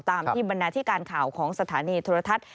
ตามที่บรรณาธิการข่าวของสถานีโทรทัศน์